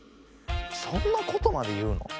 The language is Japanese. そんなことまで言うの？